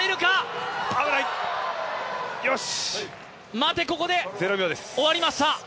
待て、ここで終わりました。